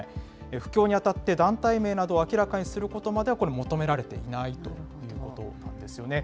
布教にあたって、団体名などを明らかにすることまではこれ、求められていないということなんですよね。